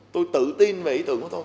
tôi tự tin về ý tưởng của tôi